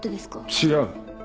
違う。